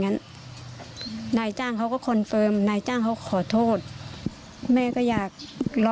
งั้นนายจ้างเขาก็คอนเฟิร์มนายจ้างเขาขอโทษแม่ก็อยากรอ